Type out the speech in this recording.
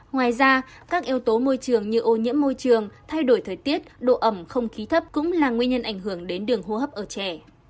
ngoài ra các yếu tố môi trường như ô nhiễm môi trường thay đổi thời tiết độ ẩm không khí thấp cũng là nguyên nhân ảnh hưởng đến đường hô hấp ở trẻ